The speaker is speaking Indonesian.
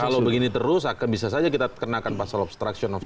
kalau begini terus akan bisa saja kita kenakan pasal obstruction of ju